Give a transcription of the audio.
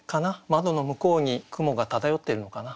窓の向こうに雲が漂ってるのかな。